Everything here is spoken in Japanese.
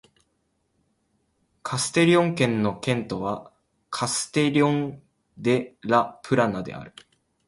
カステリョン県の県都はカステリョン・デ・ラ・プラナである